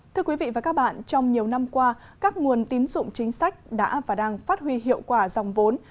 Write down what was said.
thưa quý vị và các bạn trong nhiều năm qua các nguồn tín dụng chính sách đã và đang phát huy hiệu quả dòng vốn